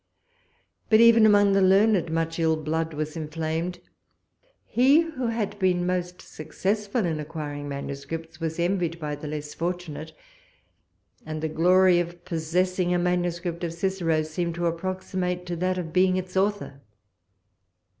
But even among the learned, much ill blood was inflamed; he who had been most successful in acquiring manuscripts was envied by the less fortunate, and the glory of possessing a manuscript of Cicero seemed to approximate to that of being its author.